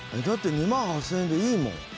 だって２万８０００円でいいもん。